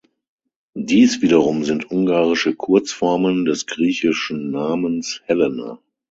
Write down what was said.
Dies wiederum sind ungarische Kurzformen des griechischen Namens Helena.